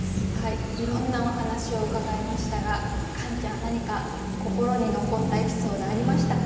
いろんなお話を伺いましたがカンちゃん何か心に残ったエピソードありましたか？